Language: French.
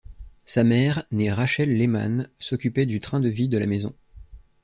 Sa mère, née Rachel Lehmann, s'occupait du train de vie de la maison.